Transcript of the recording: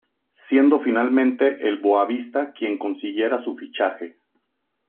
Siendo finalmente el Boavista quien consiguiera su fichaje.